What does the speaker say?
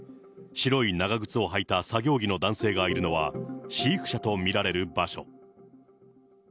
白い長靴を履いた作業着の男性がいるのは、飼育者と見られる場所。